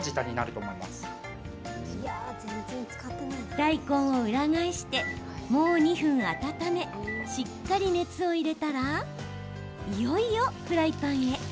大根を裏返して、もう２分温めしっかり熱を入れたらいよいよフライパンへ。